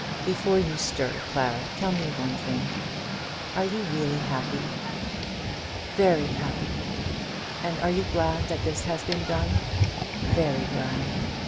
"Before you stir, Clara, tell me one thing. Are you really happy?" "Very happy." "And are you glad that this has been done?" "Very glad.